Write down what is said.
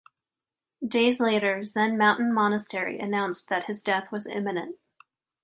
Days later, Zen Mountain Monastery announced that his death was imminent.